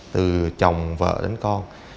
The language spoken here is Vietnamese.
từ chồng vợ đến con